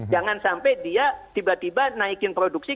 jangan sampai dia tiba tiba naikin produksi